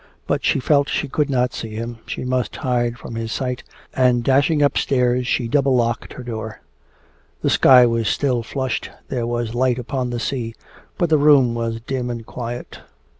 But she felt she could not see him, she must hide from his sight, and dashing upstairs she double locked her door. The sky was still flushed, there was light upon the sea, but the room was dim and quiet.